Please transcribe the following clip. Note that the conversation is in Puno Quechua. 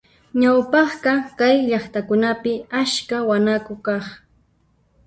Ñawpaqqa kay llaqtakunapi askha wanaku kaq.